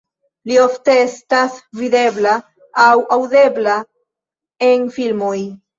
Li ofte estas videbla aŭ aŭdebla en filmoj.